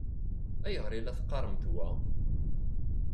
Ayɣer i la teqqaṛemt wa?